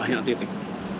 di banyak titik